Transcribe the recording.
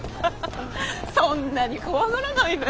そんなに怖がらないで。